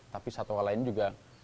tapi satwa lain juga